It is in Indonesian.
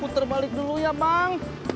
putar balik dulu ya bang